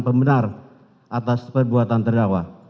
pembenar atas perbuatan pidana